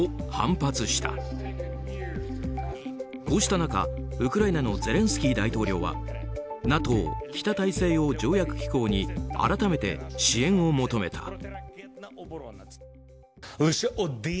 こうした中、ウクライナのゼレンスキー大統領はＮＡＴＯ・北大西洋条約機構に改めて支援を求めた。